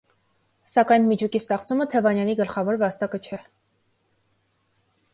Սակայն միջուկի ստեղծումը Թևանյանի գլխավոր վաստակը չէր։